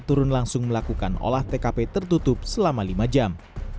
turun langsung melakukan olah tkp tertutup selama lima jam